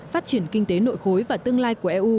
phát triển kinh tế nội khối và tương lai của eu